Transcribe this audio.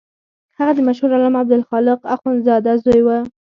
هغه د مشهور عالم عبدالخالق اخوندزاده زوی و.